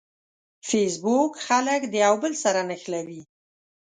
فېسبوک خلک د یوه بل سره نښلوي.